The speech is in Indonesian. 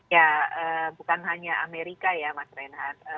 ya bukan hanya amerika ya mas reinhardt